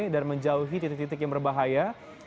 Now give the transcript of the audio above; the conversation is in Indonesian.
dan menjauhi titik titik yang berbahaya